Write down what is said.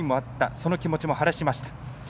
その気持ちも晴らしました。